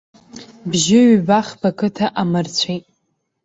Бжьы ҩба-хԥа қыҭа амырцәеит.